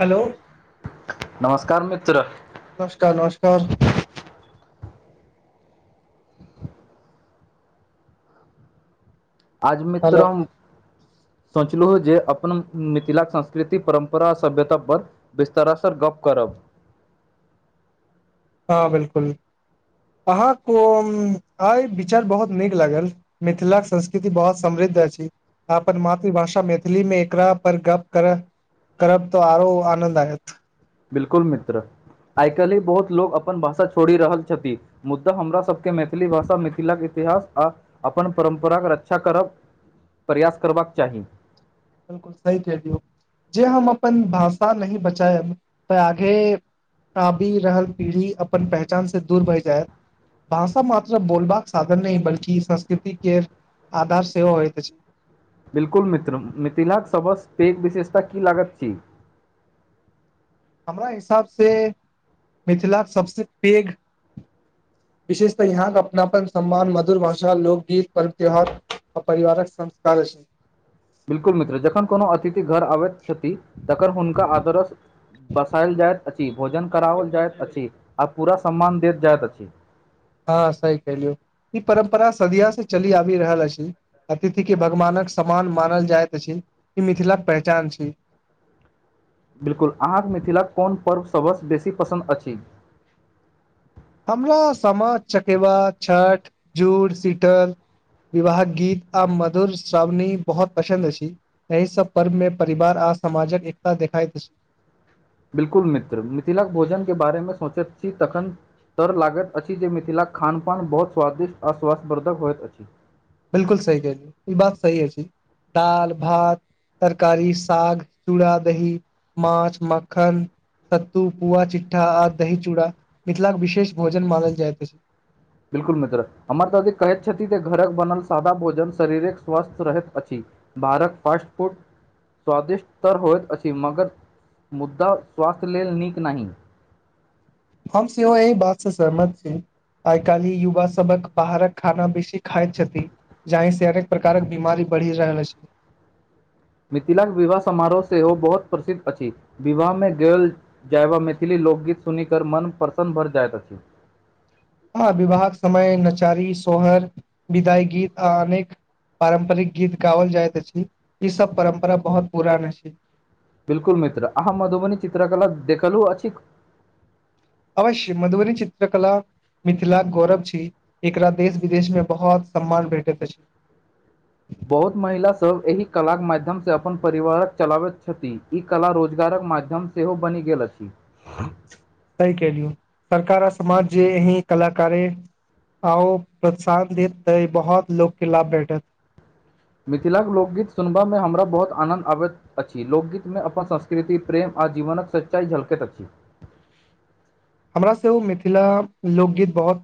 Hello नमस्कार मित्र नमस्कार नमस्कार आज हेलो मित्रोम सोचलहुँ जे अपन मिथिलाके संस्कृति परम्परा आ सभ्यता पर बिस्तर सर गप करब हँ बिल्कुल अहाँक अइ विचार बहुत नीक लागल मिथिला संस्कृति बहुत समृद्ध अछि अपन मातृभाषा मैथिली मे एकरा पर गप करह करब तऽ आरो आनन्द आयत बिलकुल मित्र आइ काल्हि बहुत लोग अपन भाषा छोड़ि रहल छथि मुद्दा हमरा सबके मैथिली भाषा मिथिलाक इतिहास आ अपन परम्पराके रक्षा करब प्रयास करबाक चाहि बिलकुल सही कहि लियौ जे हम अपन भाषा नहि बचायब तऽ आगे आबि रहल पीढ़ी अपन पहचान से दूर भहि जायत रह भाषा मात बोलबाक साधन नहीं बल्कि संस्कृति के आधार सेहो होइत अछि बिलकुल मित्र मिथिलाक सबस पैध विशेषता की लागत अछि हमरा हिसाबसँ मिथिलाक सभ से पैघ [inaudible] विशेषतः यहाँ के अपनापन सम्मान मधुर भाषा लोकगीत पर्व त्यौहार आ परिवारक संस्कार अछि बिल्कुल मित्र जखन कोनो अतिथि घर आबैथ छथि तकर हुनका आदरक स बसायल जायत अछि अछि भोजन कराओल जाइत अछि आ पूरा सम्मान देेल जाइत अछि हँ सही क लियौ ई परम्परा सदिय से चली आबि रहल अछि अतिथि के भगवानक समान मानल जाइत अछि ई मिथिला के पहचान अछि बिल्कुल अहाँके मिथिला कोन पर्व सभसँ बेसी पसन्द अछि हमरा सामा चकेवा छठ जुड़ सीतल विवाहक गीत आ मधुर श्रावणी बहुत पसंद अछि एहि सब पर्व मे परिवार आ समाजक एकता देखाई दैत अछि बिलकुल मित्र मिथिलाक भोजन के बारेमे सोचैत छी तखन तर लागैत अछि जे मिथिलाक खानपान बहुत स्वादिष्ट आश्वास्थवर्धक होयइत अछि बिलकुल सही कहेलहु ई बात सही अछि दाल भात तरकारी साग चूड़ा दही माछ मखन सत्तु पुआ चिट्ठा आद दही चूड़ा मिथिला के विशेष भोजन मानल जाइत अछि बिलकुल मित्र हमर ददी कहैत छथि जे घरक बनल सादा भोजन शरीरक स्वस्थ रहैत अछि बाहर क फस्ट फूड स्वादिष्ट त होयत अछि मगर मुद्दा स्वास्थ्य लेल नीक नहीं हम सेहो एहि बात से सहमत छी आइ कालहि युवा सबक बाहरक खाना बेसी खाइत छथि जहि से अनेक प्रकारक बीमारी बढ़ी जायल अछि मिथिलाक के विवाह समारोह से ओ बहुत प्रसिद्ध अछि विवाह मे गेल जयवा मैथिली लोकगीत सुनी कमन प्रसन्न भय जायत अछि हँ विवाहक समय नचारी सोहर विदाई गीत आ अनेक पारम्परिक गीत गाओल जाइत अछि ई सब परम्परा बहुत पुरान अछि बिल्कुल मित्र अहाँ मधुबनी चित्रकला देखलहु अछि अवश्य मधुबनी चित्रकला मिथिलाक के गौरव छी एकरा देश विदेश में बहुत सम्मान भेटैत अछि बहुत महिला सभ एहि कलाक माध्यम सँ अपन परिवारक चलाबैत छथि ई कला रोजगारक माध्यम सेहो बनि गेल अछि सही केलिय सरकार आ समाज जे ही कलाकारे आ प्रसाद देतते बहुत लोग के लाभ भेटत मिथिलाक लोकगीत सुनबा मे हमरा बहुत आनन्द आबैत अछि लोकगीत मे अपन संस्कृति प्रेम आ जीवनक सच्चाइ झलकैत अछि हमरा सेहो मिथिला लोकगीत बहुत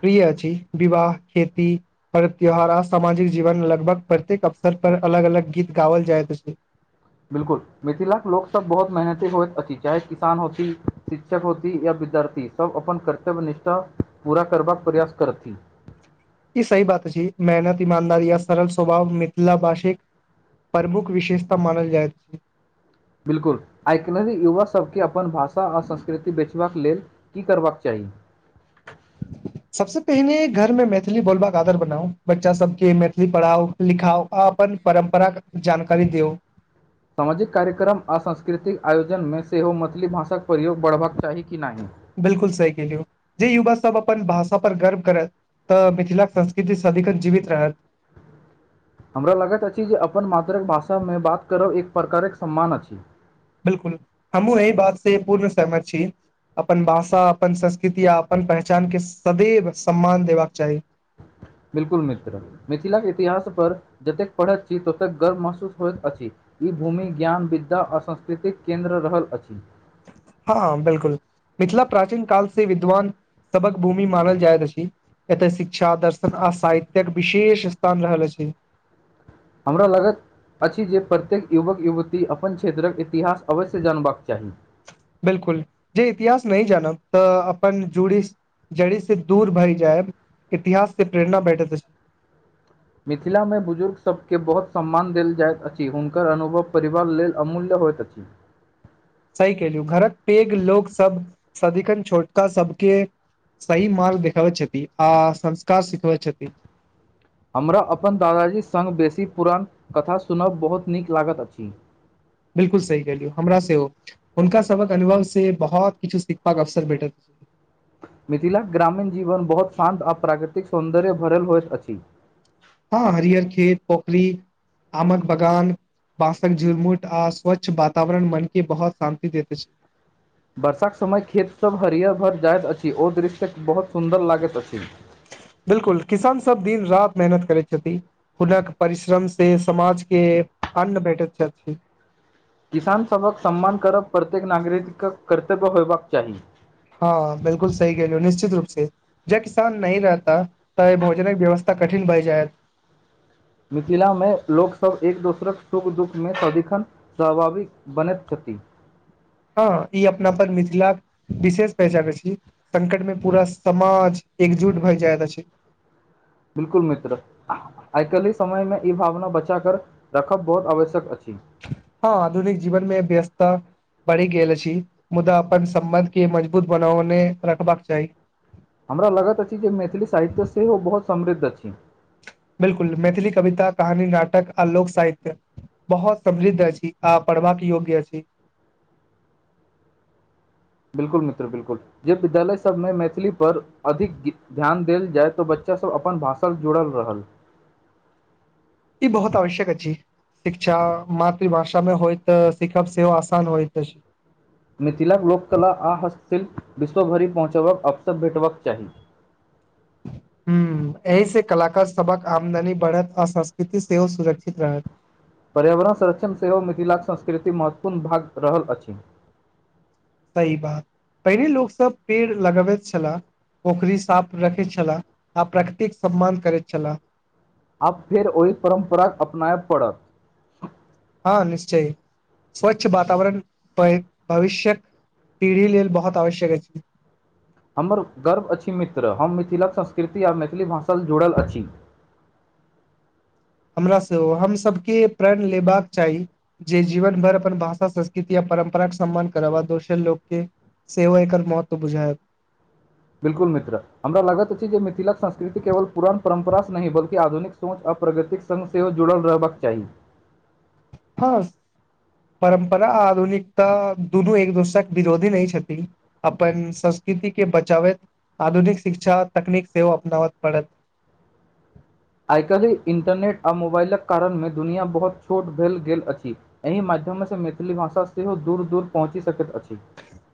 प्रिय अछि विवाह खेती पर्व त्योहारा सामाजिक जीवन लगभग प्रत्येक अवसर पर अलग अलग गीत गाओल जायइत छै बिलकुल मिथिला लोक सब बहुत मेहनती होइत अछि चाहे किसान होती शिक्षक होती या विद्यार्थी सब अपन कर्तव्य निष्ठा पूरा करबाक प्रयास करथि ई सही बात अछि मेहनत ईमानदारी या सरल स्वभाव मिथिला भाषिक प्रमुख विशेषता मानल जाइत बिलकुल आइकलनि युवा सबके अपन भाषा आर संस्कृति बेचबाक लेल की करबाक चाही [inaudible] सबस पहिने घर में मैथिली बोलबाक आदत बनाउ बच्चा सबके मैथिली पढ़ाओ लिखाउ आ अपन परम्पराक जानकारी दिऔ सामाजिक कार्यक्रम आ सांस्कृतिक आयोजन मे सेहो मैथिली भाषाक प्रयोग बढ़बाक चाही कि नहि बिलकुल सही केलियौ जे युवा सब अपन भाषा पर गर्व करत तऽ मिथिला के संस्कृति सदिखन जीवित रहत हमरा लगैत अछि जे अपन मातृकभाषा मे बात करब एक प्रकारक सम्मान अछि बिलकुल हमहुँ एहि बात से पूर्ण सहमत छी अपन भाषा अपन संस्कृति आ अपन पहचान के सदैव सम्मान देबाक चाही बिलकुल मित्र मिथिलाक के इतिहास पर जतेक पढ़ैत छी ततेक गर्व महसूस होइत अछि ई भूमि ज्ञान विद्या आ संस्कृतिक केन्द्र रहल अछि हँ हा बिलकुल मिथिला प्राचीन काल से विद्वान सभक भूमि मानल जायत अछी एतय शिक्षा दर्शन आ साहित्यक विशेष स्थान रहल अछि हमरा लागत अछि जे प्रत्येक युवक युवती अपन क्षेत्रक इतिहास अवश्य जानबाक चाही बिलकुल जे इतिहास नहि जानब तऽ अपन जूड़ी जड़ी से दूर भरि जायब इतिहास से प्रेरणा भेठैत मिथिला मे बुजुर्ग सबकेँ बहुत सम्मान देल जाइत अछि हुनकर अनुभव परिवार लेल अमूल्य होइत अछि सही केलिय घरक पेघ लोक सब सदिखन छोटका सबके सही मार्ग देखाबै छथि आ संस्कार सिखबै छथि हमरा अपन दादाजी संग बेसी पुरान कथा सुनब बहुत नीक लागैत अछि बिलकुल सही केलियो हमरा सेहो हुनका सबहक अनुभव से बहुत किछु सिखबाक अवसर भेटत मिथिलाक ग्रामीण जीवन बहुत शान्त आ प्राकृतिक सौंन्दर्य भरल होइत अछि हँ हरियर खेत पोखरी आमक बगान बांसक झुुरमुट आ स्वच्छ वातावरण मन के बहुत शांति देैत अछि वर्षाक समय खेत सभ हरियर भर जाइत अछि ओ दृश्य बहुत सुन्दर लागैत अछि बिलकुल किसान सभ दिन राति मेहनत करै छथि हुनक परिश्रम से समाज के अन्न बैठेत्व छथि किसान सबक सम्मान करब प्रत्येक नागरिक के कर्तव्य होयबाक चाहि ह बिल्कुल सही कहलिए निश्चित रूप से ज किसान नहीं रहता तऽ भोजन व्यवस्था कठिन भऽ जायत मिथिला मे लोकसब एक दोसरक सुख दुःखमे सदिखन स्वभाविक बनैय छथि ह ई अपना पर मिथिलाक विशेष पहचान अछि संकट मे पूरा समाज एकजुट भऽ जाय अछि बिलकूल मित्र [inaudible] आइ काल्हि समयमे इ भावना बचाकर रखब बहुत आवश्यक अछि ह आधुनिक जीवन मे व्यस्तता बढ़ि गेल छी मुदा अपन सम्बध के मजबूत बनौने रखबाक चाही हमरा लगत अछि जे मैथिली साहित्य सेहो बहुत समृद्ध अछि बिलकुल मैथिली कविता कहानी नाटक आ लोक साहित्य बहुत समृद्ध अछि आ पढ़बाक योग्य अछि बिल्कुल मित्र बिल्कुल जे विद्यालय सबमे मैथिली पर अधिक क ध्यान देल जाय तऽ बच्चा सब अपन भाषास जुड़ल रहल इ बहुत आवश्यक अछि शिक्षा मातृभाषा मे होय तऽ सिखब सेहो आसान होयत अछि मिथिला के लोककला आ हस्तशिल्प विश्वभरि पहुँचबक अवसर भेटबाक चाहि हु एहिस कलाकार सबक आमदनी बढ़त आ संस्कृति सेहो सुरक्षित रहत पर्यावरन संरक्षण सेहो मिथिलाके संस्कृति महत्वपूर्ण भाग रहल अछि सही बात पहिनेे लोक सब पेड़ लगबैत छलाह पोखरी साफ रखेय छलाह आ प्रकृतिक सम्मान करैत छलाह आब फेर ओहि परम्पराके अपनाय पड़त ह निश्चय स्वच्छ वातावरन पेड़ भविष्यक पीढ़ी लेल बहुत आवश्यक अछि हमर गर्व अछि मित्र हम मिथिलाक संस्कृति आ मैथिली भाषास जुरल अछि हमरा सेहो हम सबके प्रण लेबाक चाही जे जीवन भर अपन भाषा संस्कृति या परम्पराे सम्मान करब आ दोसर लोकके सेहो एकर महत्व बुझायब बिल्कुल मित्र हमरा लागत अछि जे मिथिलाक संस्कृति केवल पुरान परम्परास नहि बल्कि आधुनिक सोच आ प्रगतिक संग सेहो जुरल रहबाक चाहि ह परम्परा आ आधुनिकता दुनु एक दोसराके विरोधी नै छथिन अपन संस्कृतिके बचाबय आधुनिक शिक्षा तकनीक सेहो अपनाबय परत आइ काल्हि इन्टरनेट आ मोबाइलक कारणमे दुनिया बहुत छोट भेल गेल अछि एहि माध्यम मैथिली भाषा सेहो दूर दूर पहुँचि सकैत अछि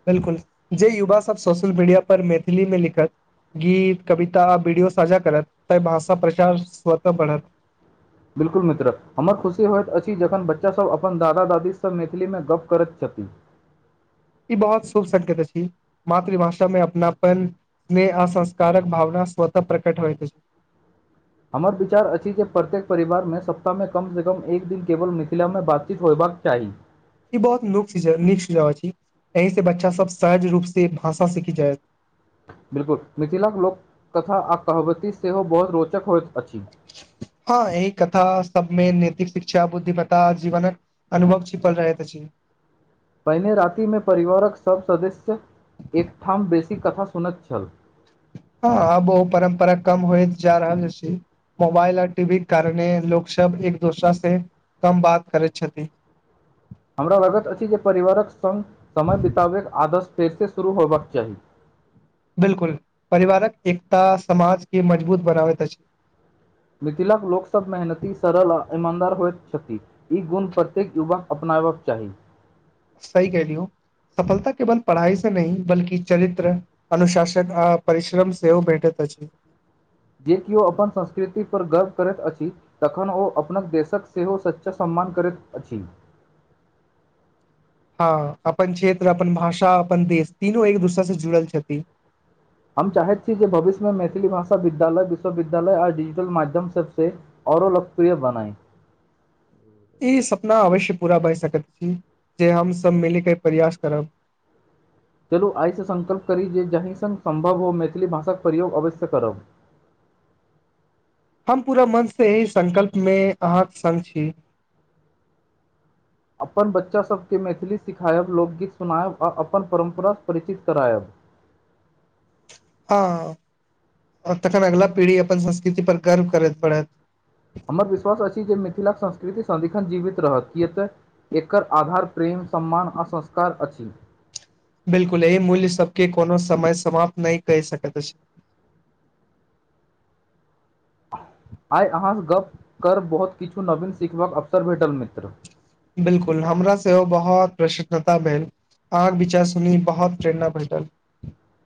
बिलकुल जे युवा सब सोशल मीडिया पर मैथिलीमे लिखत गीत कविता वीडियो साझा करत तऽ भाषा प्रचार स्वतः बढत बिल्कुल मित्र हमर खुशी होइत अछि जखन बच्चा सब अपन दादा दादीस मैथिलीमे गप्प करैत छथि इ बहुत शुभ संकेत अछि मातृभाषामे अपनापन नेह आ संस्कारक भावना स्वतः प्रकट होइत अछि हमर विचार अछि जे प्रत्येक परिवारमे सप्ताहमे कमस कम एक दिन केवल मिथिलामे बातचीत होयबाक चाही। इ बहुत नीक सुझाव अछि एहिस बच्चा सब सहज रूप से भाषा सीख जाय। बिल्कुल मिथिलाक लोककथा आ कहावैत सेहो बहुत रोचक होइत अछि। ह एहि कथा सबमे नैतिक शिक्षा बुद्धिमता जीवनक अनुभव छिपल रहैत। अति पहिने रातिमे परिवारक सभ सदस्य एकठाम बेसी कथा सुनैत छल। हँ ओ परम्परा कम होयतजा रहल अछि मोबाइल आ टीवीक कारणे लोक सब एक दोसरास कम बात करैय छथिन। हमरा लागैत अछि जे परिवारक संग समय बिताबैयक आदत फेरस शुरू होयबाक चाही। बिलकुल परिवारक एकता समाज के मजबुत बनाबैयत अछि। मिथिलाक लोक सब मेहनती सरल आ ईमानदार होइत छथि। ई गुण प्रत्येक युवक केअपनायबाक चाही। सही कहलियौ सफलता केवल पढ़ाई से नहि बल्कि चरित्र अनुशासन आपरिश्रम सेहो भेटैत अछि। जे किओ अपन संस्कृति पर गर्व करैत अछि। तखन ओ अपन देशक सेहो सच्चा सम्मान करैत अछि। हँ अपन क्षेत्र अपन भाषा अपन देश तीनू एक दोसरासँ जुड़ल छथिन। हम चाहैत छी जे भविष्यमे मैथिली भाषा विद्यालय विश्वविद्यालय आ डिजिटल माध्यम सबसँ आओरो लोकप्रिय बनाए। ई सपना अवश्य पूरा भहि सकैत छी, जे हम सब मिले के प्रयास करब चलू आइसँ सङ्कल्प करी जे जाहि सङ्ग सम्भव हो मैथिली भाषाक प्रयोग अवश्य करब। हम पूरा मन से एहि संकल्प मे अहाँके सङ् छी। अपन बच्चासभकेँ मैथिली सिखायब लोकगीत सुनायब आ अपन परम्परा परिचित करायब। हँ तखन अगला पीढ़ी अपन संस्कृति पर गर्व करैत पढ़ैत। हमर विश्वास अछि जे मिथिलाके संस्कृति सदिखन जीवित रहत किए तऽ एकर आधार प्रेम सम्मान आ संस्कार अछि। बिलकुल एहि मूल्य सबके कोनो समय समाप्त नहि कहि सकैत अछि आइ अहाँसँ गप्प कर बहुत किछु नवीन सिखबाक अवसर भेटल मित्र। बिलकुल हमरा सेहो बहुत प्रसन्नता भेल आहाँके विचार सुनी बहुत प्रेरणा भेटल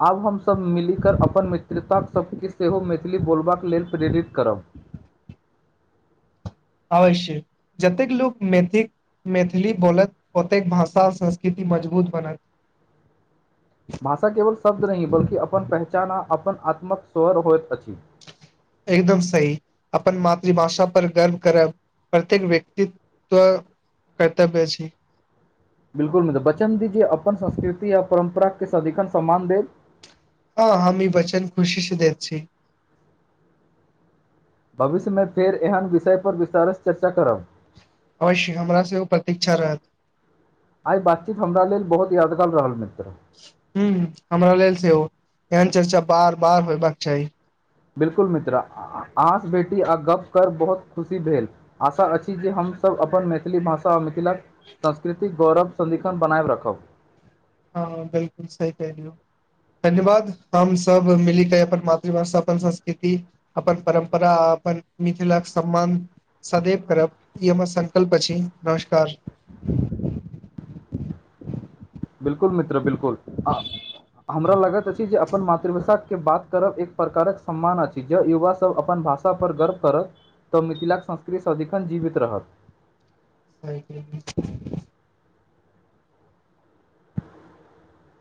आब हमसभ मिलिकऽ अपन मित्रतासभकेँ सेहो मैथिली बोलबाक लेल प्रेरित करब। अवश्य जतेक लोक मेथिक मैथिली बोलत ओतेक भाषा संस्कृति मजबूत बनत। भाषा केवल शब्द न हि बल् की अपन पहचान आ अपन आत्मक स्वर होइत अछि। एकदम सही अपन मातृभाषा पर गर्व करब प्रत्येक व्यक्तितक तऽ कर्तव्य छी। बिलकुल बच्चन दीज अपन संस्कृति य परम्परा के सदिखन सम्मान देव हँ हम ई बचन खुशी से दय छछै भविष्यमे फेर एहन विषय परर विस्तारसँ चर्चा करब। अवश्य हमरा सेहो प्रतीक्षा रहत। आइ बातचीत हमरा लेल बहुत यादगार रहल मित्र। ह हमरा लेल सेहो एहन चर्चा बार बार होयबाक चाही। बिलकुल मित्रा आस बेेसी आ गप क बहुत खुशी भेल। आशा अछि जे हमसभ अपन मैथिली भाषा आ मिथिलाक सांस्कृतिक गौरव सदिन बनाएब रखब। हँ बिलकुल सही कहलौ धन्यवाद हम सब मिली के अपन मातृभाषा अपन संस्कृति अपन परम्परा अपन मिथिल क सम्मान सदैव करब इ हमार संकल्प अछी नमस्कार। बिलकुल मित्र बिलकुल ह हमरा लागैत अछि, जे अपन मातृभाषा के बात करब एक प्रकारक सम्मान अछि, जे युवा सब अपन भाषा पर गर्व करत तऽ मिथिलाक संस्कृति सदिखन जीवित रहत। [unintelligible]